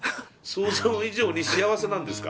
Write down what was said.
想像以上に幸せなんですか。